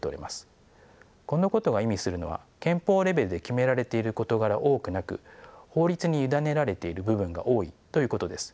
このことが意味するのは憲法レベルで決められている事柄が多くなく法律に委ねられている部分が多いということです。